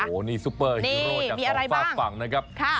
โอ้โหนี่ซูเปอร์ฮีโรจากสองฝาดฝั่งนะครับนี่มีอะไรบ้าง